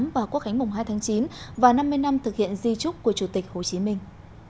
và quốc khánh mùng hai tháng chín và năm mươi năm thực hiện di trúc của chủ tịch hồ chí minh